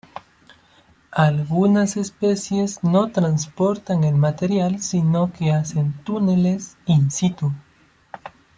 Algunas especies no transportan el material sino que hacen túneles "in-situ".